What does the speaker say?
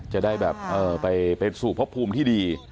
จะได้แบบไปสู่พบภูมิที่ดี